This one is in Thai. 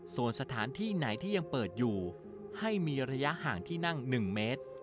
ส่วนสถานที่ไหนที่ยังเปิดอยู่ให้มีระยะห่างที่นั่ง๑เมตร